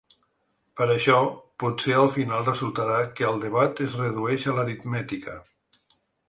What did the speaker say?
Per això, potser al final resultarà que el debat es redueix a l’aritmètica.